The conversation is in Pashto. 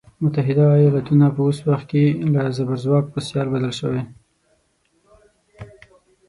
متحده ایالتونه په اوس وخت کې له زبرځواک په سیال بدل شوی.